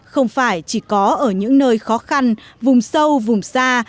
không phải chỉ có ở những nơi khó khăn vùng sâu vùng xa